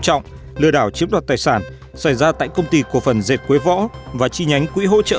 trọng lừa đảo chiếm đoạt tài sản xảy ra tại công ty cổ phần dệt quế võ và chi nhánh quỹ hỗ trợ